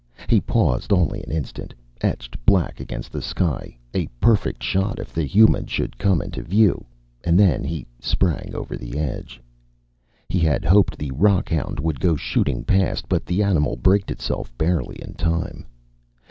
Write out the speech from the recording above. He paused only an instant, etched black against the sky, a perfect shot if the human should come into view, and then he sprang over the edge. He had hoped the rockhound would go shooting past, but the animal braked itself barely in time.